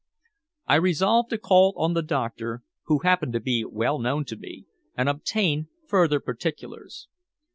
I resolved to call on the doctor, who happened to be well known to me, and obtain further particulars.